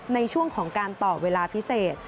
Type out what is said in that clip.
ในช่วงของการต่อเวลาพิเศษ